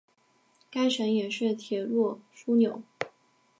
该城也是铁路枢纽。